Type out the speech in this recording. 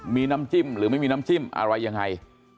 มีน้ำจิ้มหรือไม่มีน้ำจิ้มอะไรยังไง